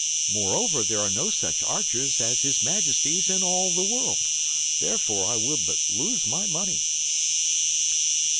Moreover, there are no such archers as His Majesty's in all the world; therefore I would but lose my money.